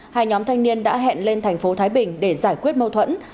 hai nhóm thanh niên đã hẹn lên thành phố thái bình để giải quyết mâu thuẫn